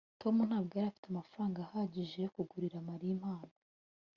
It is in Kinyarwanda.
tom ntabwo yari afite amafaranga ahagije yo kugura mariya impano